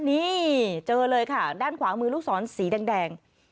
นี่เจอเลยค่ะด้านขวามือลูกศรสีแดง